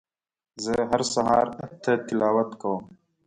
زه هر سهار اته تلاوت کوم